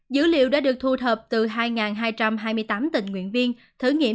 dữ liệu đã được thu thập từ hai hai trăm hai mươi tám tỉnh nguyễn viên thử nghiệm